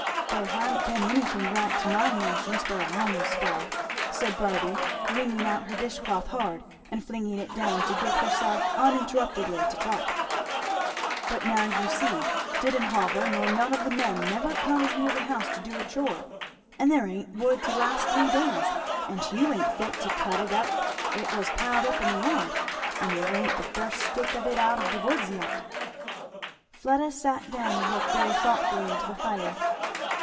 "There ha'n't been anything right, to my notions, for a long spell," said Barby, wringing out her dishcloth hard and flinging it down to give herself uninterruptedly to talk; "but now you see, Didenhover nor none of the men never comes near the house to do a chore; and there ain't wood to last three days; and Hugh ain't fit to cut it if it was piled up in the yard; and there ain't the first stick of it out of the woods yet." Fleda sat down and looked very thoughtfully into the fire.